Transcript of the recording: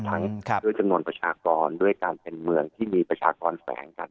ด้วยจำนวนประชากรด้วยการเป็นเมืองที่มีประชากรแฝงกัน